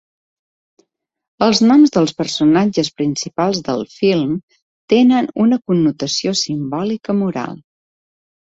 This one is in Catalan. Els noms dels personatges principals del film tenen una connotació simbòlica moral.